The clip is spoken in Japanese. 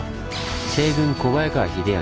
西軍小早川秀秋